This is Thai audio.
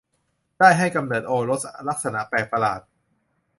ได้ให้กำเนิดโอรสลักษณะแปลกประหลาด